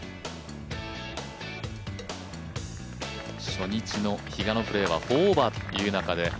初日の比嘉のプレーは４オーバーという中で。